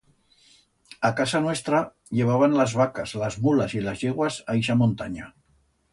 A casa nuestra llevaban las vacas, las mulas y las yeguas a ixa montanya.